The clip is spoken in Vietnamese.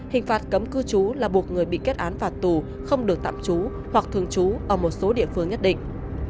hình phạt cấm cư trú là buộc người bị kết án phạt tù không được tạm trú hoặc thường trú ở một số địa phương nhất định